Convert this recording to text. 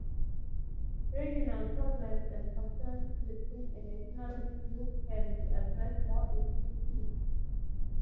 Regional problems and concerns within a national view can be addressed more effectively.